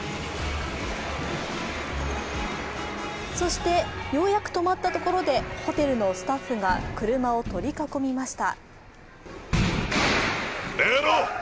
そして、ようやく止まったところでホテルのスタッフが車を取り囲みました。